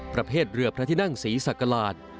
ประเภทเรือพระทินั่งสีสักกระหลาด